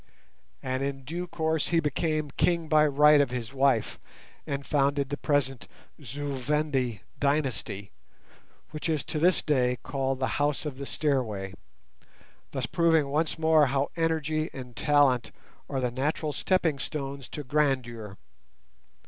And in due course he became king by right of his wife, and founded the present Zu Vendi dynasty, which is to this day called the "House of the Stairway", thus proving once more how energy and talent are the natural stepping stones to grandeur.